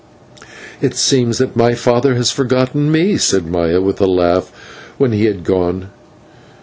"It seems that my father has forgotten me," said Maya, with a laugh, when he had gone.